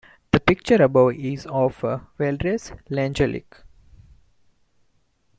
The picture above is of a Valdres langeleik.